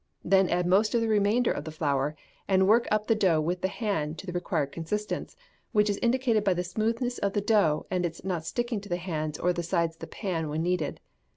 Then add most of the remainder of the flour, and work up the dough with the hand to the required consistence, which is indicated by the smoothness of the dough, and its not sticking to the hands or the sides of the pan when kneaded.